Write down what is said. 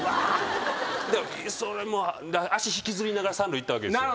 足引きずりながら三塁行ったわけですよ。